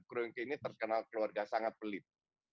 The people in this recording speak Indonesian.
kronke ini terkenal keluarga sangat pelit